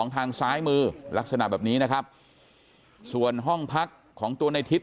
ทางซ้ายมือลักษณะแบบนี้นะครับส่วนห้องพักของตัวในทิศ